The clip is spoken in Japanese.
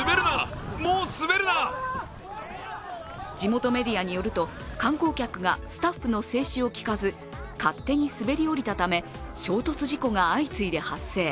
地元メディアによると、観光客がスタッフの制止を聞かず勝手に滑り下りたため衝突事故が相次いで発生。